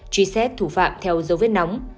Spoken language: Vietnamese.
truy xét thủ phạm theo dấu vết nóng